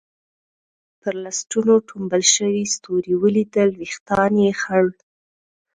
پر لستوڼو ټومبل شوي ستوري ولیدل، وېښتان یې خړ.